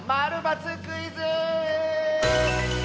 ○×クイズ」！